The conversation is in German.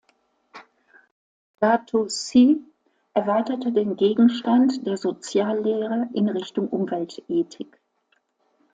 Laudato si’ erweiterte den Gegenstand der Soziallehre in Richtung Umweltethik.